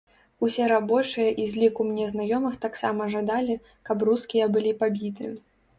Усе рабочыя і з ліку мне знаёмых таксама жадалі, каб рускія былі пабіты.